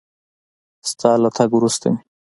ستا له تګ وروسته مې